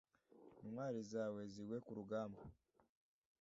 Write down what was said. intwari zawe zigwe ku rugamba.